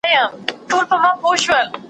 پرانيزي او الهام ورکوي `